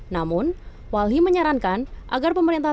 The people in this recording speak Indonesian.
namun walhi menyarankan agar pemerintah